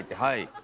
はい。